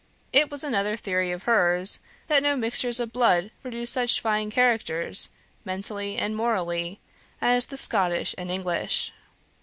It was another theory of hers, that no mixtures of blood produced such fine characters, mentally and morally, as the Scottish and English.